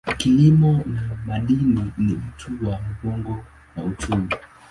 Kilimo na madini ni uti wa mgongo wa uchumi.